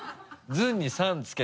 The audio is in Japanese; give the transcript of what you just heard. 「ずん」に「さん」付けて。